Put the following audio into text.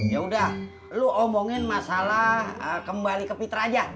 yaudah lo omongin masalah kembali ke piter aja